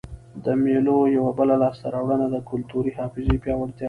د مېلو یوه بله لاسته راوړنه د کلتوري حافظې پیاوړتیا ده.